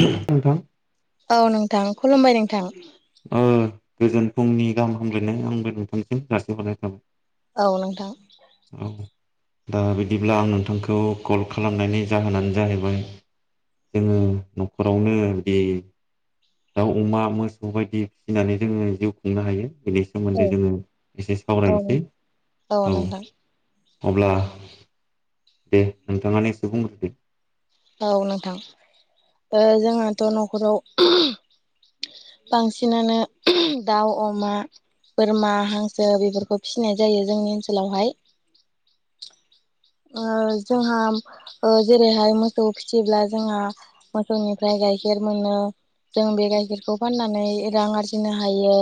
नोंथां औ नोंथां खुलुमबाय नोंथां गोजोन फुंनि गाहाम हामग्लायनाय आंबो नोंथांसिम जाारसिहरनाय थाबाय औ नोंथां औ दा बिदिब्ला आं नोंथांखौ कल खालामनायनि जाहोनानो जाहैबाय जोङो न'खरावनो बे दाउ अमा मोसौ बायदि फिसिनानै जोङो जिउ खुंनो हायो बेनि औ सोमोन्दै जोङो एसे औ सावरायनोसै औ अब्ला दे नोंथाङाानो एसे बुंग्रोदो औ नोंथां जोंहाथ' न'खराव बांसिनानो दाउ अमा बोरमा हांसो बेफोरखौ फिसिनाय जायो जोंनि ओनसोलावहाय ओ जोंहा जेरैहाय मोसौ फिसिब्ला जोंहा मोसौनिफ्राय गाइखेर मोनो जों बे गाइखेरखौ फाननानै रां आरजिनो हायो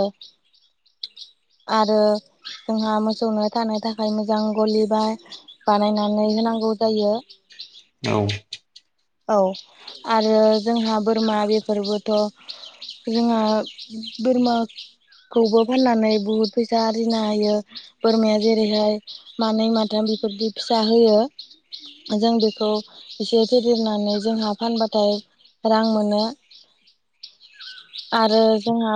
आरो जोंहा मोसौनो थानो थाखाय मोजां गलिबा बानायनानै होनांगौ जायो औ औ आरो जोंहा बोरमा बेफोरबोथ' जोंहा बोरमा खौबो फाननानै बुहुद फैसा आरजिनो होयो। बोरमाया जेरैहाय मानै माथाम बेफोरदि फिसा होयो। जों बेखौ एसे फेदेर देरनानै जोंहा फानबाथाय रां मोनो आरो जोंहा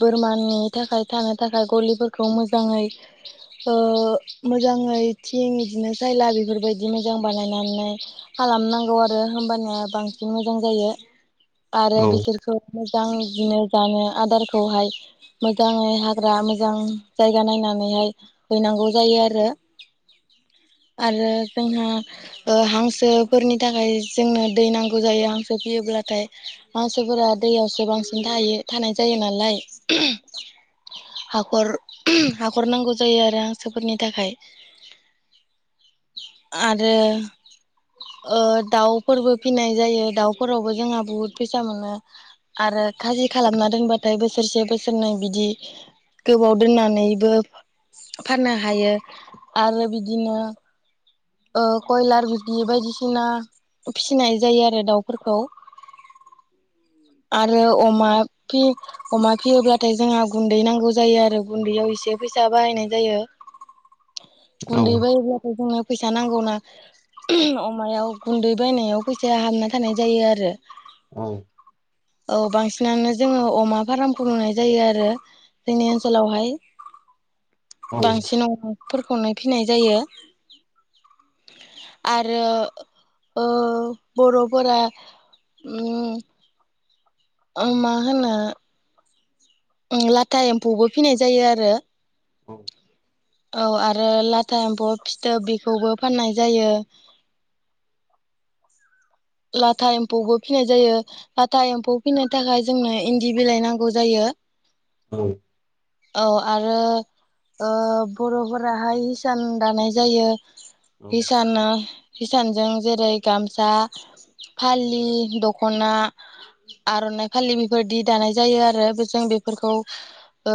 बोरमानि थाखाय थानो थाखाय गलिफोरखौ मोजाङै ओ मोजाङै थिं बिदिनो सायला बेफोरबायदि मोजां बानायनानै खालामनांगौ आरो होमबानिया बांसिन मोजां जायो आरो औ बिसोरखौ मोजां बिदिनो जानो आदारखौहाय मोजाङै हाग्रा मोजां जायगा नायनानैहाय हैनांगौ जायो आरो आरो जोंहा हांसोफोरनि थाखाय जोंनो दै नांगौ जायो हांसो फियोब्लाथाय हांसोफोरा दैयावसो बांसिन थायो। थानाय जायो नालाय [inaudible] हाखर हाखर नांगौ जायो आरो हांसोफोरनि थाखाय आरो दाउफोरबो फिनाय जायो दाउफोरावबो जोंहा बुहुद फैसा मोनो। आरो खाजि खालामना दोनबाथाय बोसोरसे बोसोरनै बिदि गोबाव दोननानैबो फाननो हायो आरो बिदिनो ओ कयलार बिदि बायदिसि ना फिना फिसिनाय जायो आरो दाउफोरखौ [inaudible] आरो अमा फि अमा फियोब्लाथाय जोंहा गुन्दै नांगौ जायो आरो गुन्दैयाव एसे फैसा बाहायनाय जायो। [inaudible] औ गुन्दै बायोब्लाथ' जोंनो फैसा नांगौना अमायाव गुन्दै बायनायाव फैसाया हाबना थानाय जायो आरो ओम औ बांसिनानो जोंङो अमा फार्मखौ मोननाय जायो आरो जोंनि ओनसोलावहाय [inaudible] बांसिनाव अमा फोरखौनो फिनाय जायो आरो ओ बर'फोरा उम ओम मा होनो ओम लाथा एम्फौबो फिनाय जायो आरो औ आरो लाथा एम्फौ फिथोब बेखौबो फाननाय जायो। लाथा एम्फौबो फिनाय जायो। लाथा एम्फौ फिनो थाखाय जोंनो इन्दि बिलाइ नांगौ जायो। औ औ आरो बर'फोराहाय हिसान दानाय जायो। औ हिसाना हिसानजों जेरै गामसा फालि दख'ना आर'नाइ फालि बेफोरदि दानाय जायो आरो जों बेफोरखौ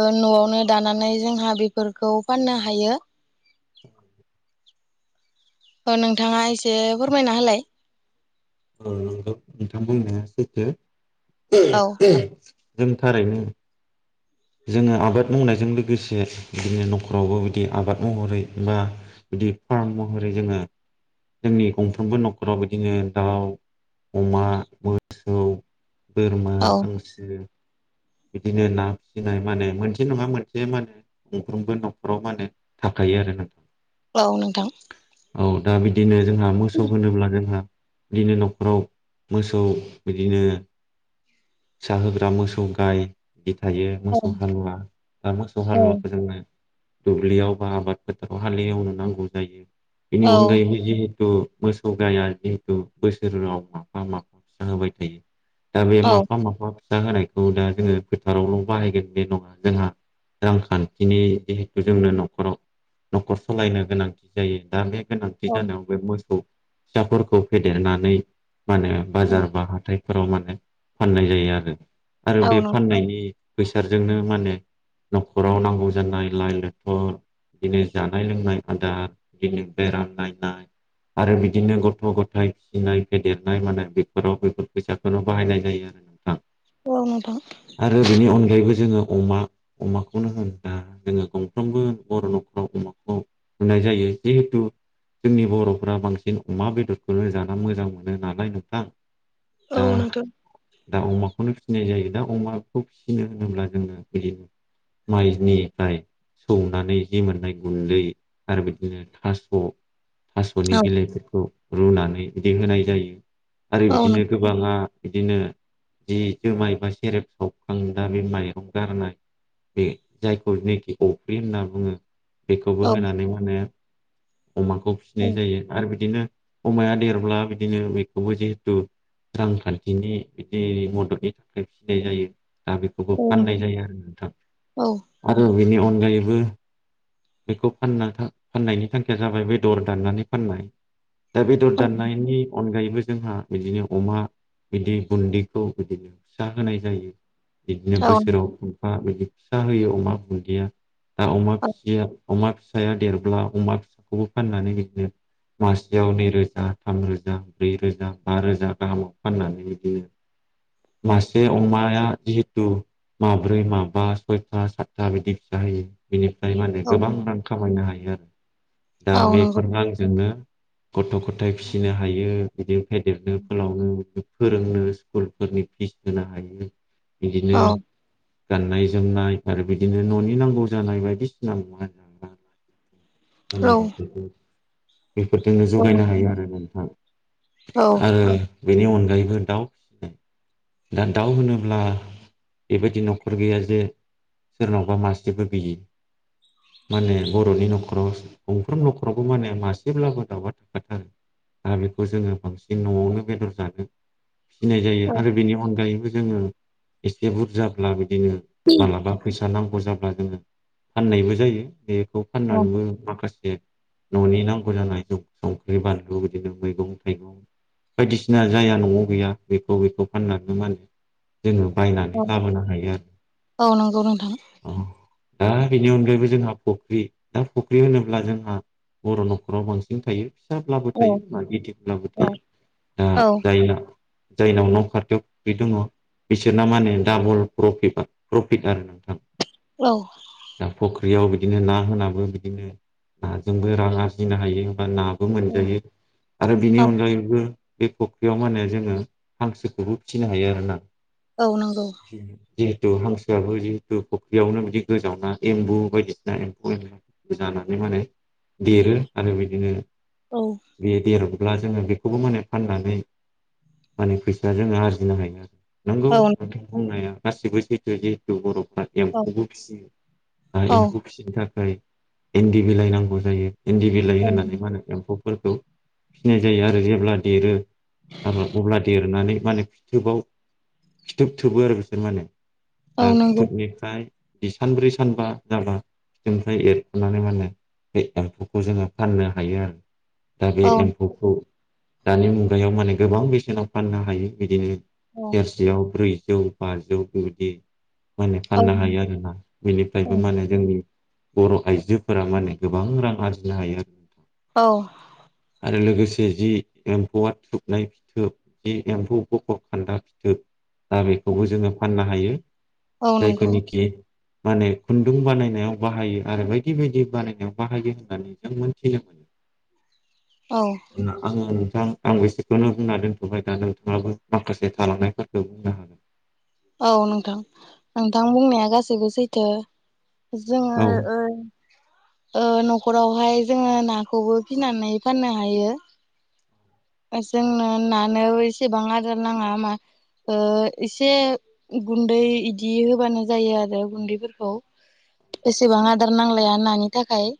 ओ न'आवनो दानानै जोंहा बेफोरखौ फाननो हायो। [inaudible] दा नोंथाङा एसे फोरमायना होलाय? [unintelligible] नोंथां बुंनाया सैथो औ [unintelligible] जों थारैनो जोङो आबाद मावनायजों लोगोसे बिदिनो न'खरावबो बिदि आबाद महरै मा बिदि फार्म महरै जोङो जोंनि गंफ्रोमबो न'खराव बिदिनो दाउ, अमा, मोसौ, बोरमा, औ हांसो बिदिनो ना फिसिनाय माने मोनसे नङा मोनसे माने गंफ्रोमबो न'खराव मा होनो थाखायो आरो नों औ नोंथां। औ दा बिदिनो जोंहा मोसौ होनोब्ला जोंहा बिदिनो न'खराव मोसौ बिदिनो फिसा होग्रा मोसौ गाय बि थायो औ मोसौ हालुवा दा मोसौ हालुवाखौ जोङो दुब्लियाव बा आबाद फोथाराव हालेवनो नांगौ जायो। बेनि अनगायैबो जिहेथु मोसौ गाया जिहेथु बोसोराव माफा माफा फिसा होबाय थायो दा बे औ माफा माफा माफा फिसा होनायखौ दा जोङो फोथारावल' बाहायगोन बेे नङा जोंहा रांखान्थिनि जिहेथु जोंनो न'खराव न'खर सालायनो गोनांथि जायो दा बे गोनां [unintelligible] बे मोसौ फिसाफोरखौ फेदेरनानै मा होनो बाजार बा हाथाइ फोराव माने फाननाय जायो आरो आरो बे नों फाननायनि फैसाजोंनो माने न'खराव नांगौ जानाय लाइ लथर बिदिनो जानाय लोंनाय आदार दिदिनो बेराम नायनाय आरो बिदिनो गथ' गथाय फिसिनाय फेदेरनाय मानाय बेफोराव बेफोर फैसाफोराव बाहायनाय जायो। [unintelligible] नोंथां औ नोंथां। आरो बेनि अनगायैबो जोङो अमा अमाखौनो होन दा जोङो गंफ्रोमबो बर' न'खराव अमाखौ नुनाय जायो जेहुथु जोंनि बर'फ्रा बांसिन अमा बेदरखौनो जाना मोजां मोनो नालाय नोंथां। औ दा नोंथ' दा अमाखौनो फिसिनाय जायो दा अमाखौ फिसिनो होनोब्ला जोङो बिदिनो माइनिफ्राय सौनानै जि मोननाय गुन्दै आरो बिदिनो थास' थास'नि औ बिलाइफोरखौ रुनानै बिदि होनाय जायो आरो औ नों बिदिनो गोबाङा बिदिनो जि जुमाइबा सेरेब सावखांदा बे माइरं गारनाय बे जायखौ जिनाखि अफ्रि होनना बुङो। बेखौबो औ होनानै मा होनो अमाखौ औ फिसिनाय जायो आरो बिदिनो अमाया देरब्ला बिदिनो बेखौबो जिहेथु रांखान्थिनि बिदि मददनि थाखाय फिनाय जायो दा बेखौबो औ नोंथां फाननाय जायो आरो नोंथां। औ आरो बेनि अनगायैबो बेखौ फानना थां फाननायनि थांखिया जाबाय बेदर दाननानै फाननाय। दा बेदर दाननायनि अनगायैबो जोंहा बिदिनो अमा बिदि बुन्दिखौ बिदिनो फिसा होनाय जायो। बिदिनो औ नोंथां बोसोराव खंफा बिदि फिसा होयो अमा बुन्दिया दा अमा - अमा फिसाया देरब्ला अमा फिसाखौबो फाननानै बिदिनो माासेयाव नैरोजा थामरोजा ब्रैरोजा बारोजा गाहामाव फाननानै बिदियो मासे अमाया जिहेथु माब्रै माबा सयथा सातथा बिदि फिसा होयो। बिनिफ्राय माने औ गोबां रां खामायनो हायो आरो दा औ नंगौ बेफोर रांजोंनो गथ' गथाय फिसिनो हायो बिदि फेदेरनो फोलावनो फोरोंनो स्कुलफोरनि फिस होनो हायो बिदिनो औ गाननाय जोमनाय आरो बिदिनो न'नि नांगौ जानाय बायदिसिना मुवा नांगौ औ जानाय बेफोरखौ [unintelligible] बेफोरजोंनो औ जगायनो हायो आरो नोंथां। औ आरो बेनि अनगायैबो दाउ फिसिनाय दा दाउ होनोब्ला बेबायदि न'खर गैया जे सोरनावबा मासेबो गैयि मा होनो बर'नि न'खराव गंफ्राम न'खरावबो माने मासेब्लाबो दावउआ थाखाथारो आरो बेखौ जोंङो बांसिन न'आवनो बेदर जानो फिसिनाय जायो आरो बेनि अनगायैबो जोङो एसे बुरजा ब्लाबो उम जोंङो मालाबा फैसा नांगौ जाब्ला जोङो फाननायबो जायो बे बेखौ फाननानैबो माखासे न'नि नांगौ जानाय संख्रि बानलु बिदिनो मैगं थाइगं बायदिसिना जाया न'आव गैया बेखौ बेखौ फाननानै मा होनो जोंङो औ बायनानै लाबोनो हायो आरो औ नंगौ नोंथां। दा बेनि अनगायैबो जोंहा फख्रि दा फख्रि होनोब्ला जोंहा बर' न'खराव बांसिन थायो। फिसाब्लाबो औ थायो बा गिदिदब्लाबो थायो दा औ जाया जायनाव न' खाथियाव बे दङ बिसोरना मा होनो डाबल प्रफिटबा प्रफिट आरो नोंथां। औ दा फख्रियाव बिदिनो ना होनाबो बिदिनो नाजोंबो रां आरजिनो हायो बा ना मोनजायै आरो बिनि अनगायैबो बे फुख्रियाव मा होनो जोङो हांसोखौबो फिनो हायो आरोना। औ नंगौ जिहेतु हांसोआबो जि फुख्रियावनो बिदि गोजावना एम्बु बायदिसिना एम्फु एनला जानानै मा होनो देरो आरो बिदिनो औ बे देरब्ला जोंङो बे बे खौबो माने फाननानै माने फैसा जोंङो आरजिनो हायो आरो। नंगौ औ नोंथां। बुंनाया गाससिबो सैथो दि जिहेथु बर'फ्रा एम्फौबो फिसियो। ओ औ एम्फौ फिसिनो थाखाय इन्दि बिलाइ नांगौ जायो। इन्दि बिलाइ औ होनानै मा होनो एम्फौफोरखौ फिनाय जायो आरो जेब्ला देरो अब्ला देरनानै माने फिथोबाव फिथोब थोबो आरो बिसोर माने। औ दा नंगौ फिथोबनिफ्राय बि सानब्रै सानबा जाबा बेनिफ्राय एरख'नानै मा होनो बे एम्फौखौ जोंङो फाननो हायो आरो। दा बे औ एम्फौखौ दानि मुगायाव माने गोबां बेसेनाव फाननो हायो। बिदिनो औ सेरसेयाव ब्रैजौ बाजौ बेबायदि माने औ फाननो हायो आरो ना औ बेनिफ्रायबो मा होनो जोंनि बर' आइजोफोरा माने गोबां रां आरजिनो हायो आरो। नोंथां औ आरो लोगोसे जि एम्फौआ थुबनाय फिथोब जि एम्फौ बा गान्दा फिथोब दा बेखौबो जोंङो फाननो हायो। औ जायखौ नंगौ निखि माने खुन्दुं बानायनायाव बाहायो आरो बायदि बायदि बानायनायाव बाहायो होननानै जों मोनथिनो मोनो। [inaudible] औ आंङो नोंथां आं बेसेखौनो बुंना दोनथ'बाय दा नोंथांङाबो माखासे थालांनायफोरखौ बुंनो हागोन। औ नोंथां नोंथां बुंनाया गासैबो सैथो जोंङो औ ओ ओ न'खरावहाय जोंङो नाखौबो फिनानै फाननो हायो। जोंनो नानो एसेबां आदार नांङामा एसे गुन्दै इदि होबानो जायो आरो गुन्दैफोरखौ। एसेबां आदार नांलाया नानि थाखाय।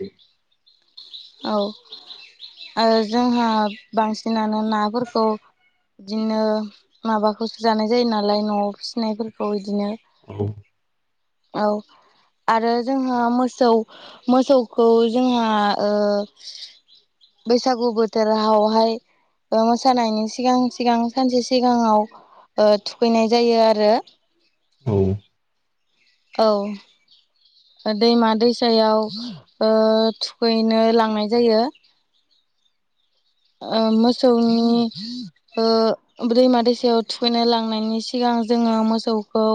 औ औ ओ जोंहा बांसिनानो नाफोरखौ बिदिनो माबाखौसो जानाय जायो नालाय न'आव फिसिनायफोरखौ बिदिनो। औ। औ आरो जोंहा मो सौ मोसौखौ जोंहा ओ बैसागु बोथोरहावहाय मोसानायनि सिगां सिगां सानसे सिगाङाव थुखैनाय जायो आरो। औ। औ। दैमा दैसायाव थुखैनो लांनाय जायो। ओ मोसौनि दैमा दैसायाव थुखैनाय लांनायनि सिगां जोङो मोसौखौ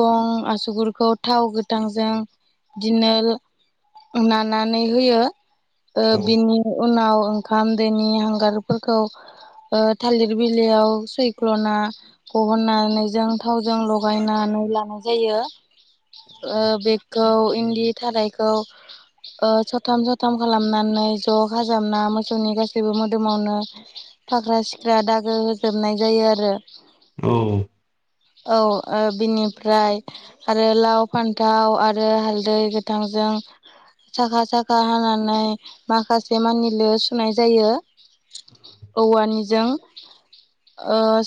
गं आसुगुरखौ थाव गोथांजों इदिनो नानानै होयो। ओ बिनि उनाव ओंखाम दोनि हांगारफोरखौ थालिर बिलायाव सैख्ल'ना थहननानै जों थावजों लगायनानै लानाय जायो। बेखौ इन्दि थारायखौ सथाम सथाम खालामनानै ज' खाजाबना मो मोसौनि गासैबो मोदोमावनो फाख्रा सिख्रा दागो होजोबनाय जायो आरो। औ। औ ओ बिनिफ्राय आरो लाव फान्थाव आरो हालदै गोथांजों साखा साखा हानानै माखासे मानि लो सुनाय जायो। औवानि जों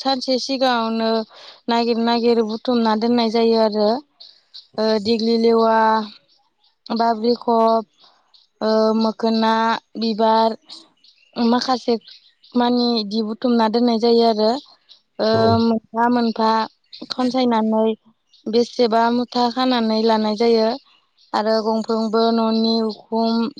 सानसे सिगाङावनो नागिर नागिर बुथुमना दोननाय जायो आरो। दिग्लि लेवा, बाब्रि खब, मोखोना बिबार माखासे मानि इदि बुथुमना दोननाय जायो आरो। औ औ मोनफा मोनफा खनसायनानै बेसेबा मुथा खानानै लानाय जायो। आरो गंफ्रोमबो न'नि उखुम